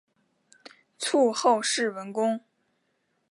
卒后谥文恭。